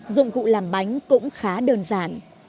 dụng cụ làm bánh cũng khá đơn giản